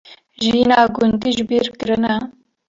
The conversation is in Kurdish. jiyîna gundî jibîrkirine